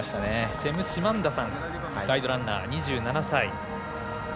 セム・シマンダさんガイドランナー２７歳。